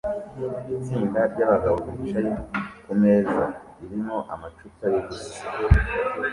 Itsinda ryabagabo bicaye kumeza irimo amacupa yubusa